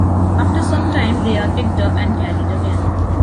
After some time they are picked up and carried again.